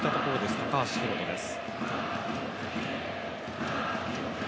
高橋宏斗です。